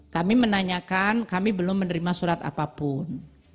kami menanyakan kami belum menerima surat apapun